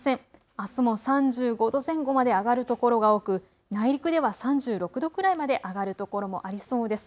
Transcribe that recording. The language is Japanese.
あすも３５度前後まで上がる所が多く内陸では３６度くらいまで上がる所もありそうです。